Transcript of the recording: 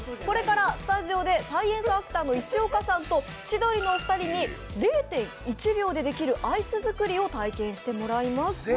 これからスタジオでサイエンスアクターの市岡さんと、千鳥のお二人に０．１秒でできるアイス作りを体験してもらいます。